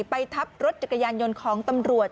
ไปทับรถจักรยานยนต์ของตำรวจ